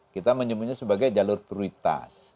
kita menyebutnya sebagai jalur prioritas